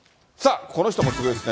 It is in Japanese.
この人もすごいですね。